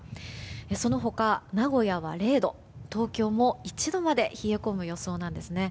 その他、名古屋は０度東京も１度まで冷え込む予想なんですね。